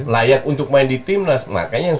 layak untuk main di timnas makanya yang